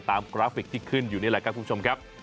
กราฟิกที่ขึ้นอยู่นี่แหละครับคุณผู้ชมครับ